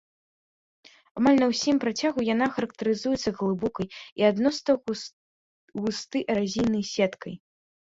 Амаль на ўсім працягу яна характарызуецца глыбокай і адносна густы эразійны сеткай.